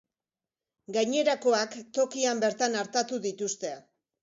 Gainerakoak, tokian bertan artatu dituzte.